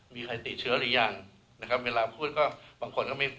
มีใครติดเชื้อหรือยัง